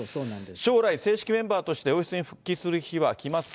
将来、正式メンバーとして王室に復帰する日はきますか？